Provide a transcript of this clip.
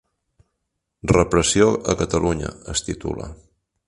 Repressió a Catalunya, es titula.